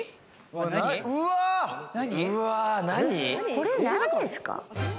これなんですか？